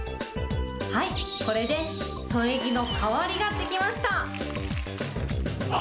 はい、これで添え木の代わりができました。